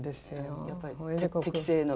やっぱり敵性の。